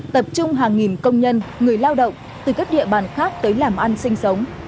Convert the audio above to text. tập trung hàng nghìn công nhân người lao động từ các địa bàn khác tới làm ăn sinh sống